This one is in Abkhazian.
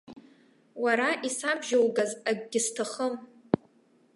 Уара исабжьоугаз акгьы сҭахым.